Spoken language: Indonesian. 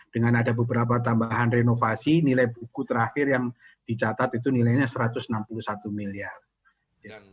dengan ada beberapa tambahan renovasi nilai buku terakhir yang dicatat itu nilainya satu ratus enam puluh satu miliar